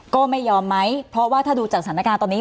ก็ไม่ยอมไหมเพราะว่าถ้าดูจากสถานการณ์ตอนนี้